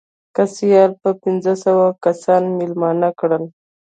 که سیال به پنځه سوه کسان مېلمانه کړل.